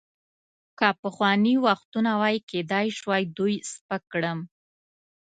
که پخواني وختونه وای، کیدای شوای دوی سپک کړم.